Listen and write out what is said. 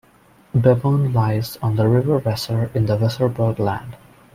Bevern lies on the River Weser in the Weserbergland.